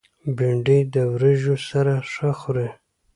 بېنډۍ د وریژو سره ښه خوري